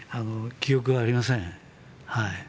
記憶がありません。